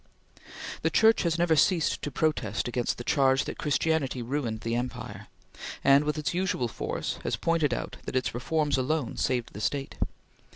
The Church has never ceased to protest against the charge that Christianity ruined the empire, and, with its usual force, has pointed out that its reforms alone saved the State.